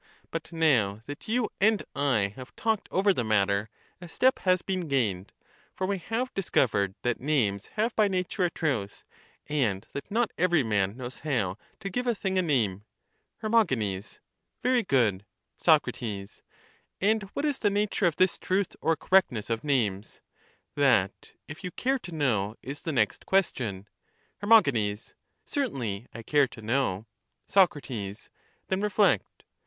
But now that you and I have talked over the matter, a step has been gained ; for we have discovered that names have by nature a truth, and that not every man knows how to give a thing a name. Her. Very good. Soc. And what is the nature of this truth or correctness of names? That, if you care to know, is the next question. Her. Certainly, I care to know, Soc. Then reflect.